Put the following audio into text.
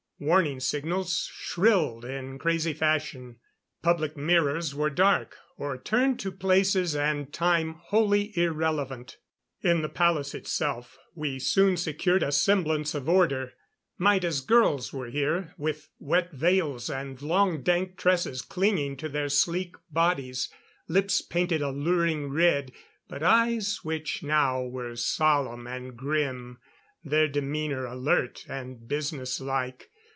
Warning signals shrilled in crazy fashion. Public mirrors were dark, or turned to places and time wholly irrelevant. In the palace itself we soon secured a semblance of order. Maida's girls were here, with wet veils and long dank tresses clinging to their sleek bodies. Lips painted alluring red. But eyes which now were solemn and grim. Their demeanor alert and business like.